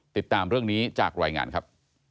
ติดตามเรื่องนี้จากรายงานครับ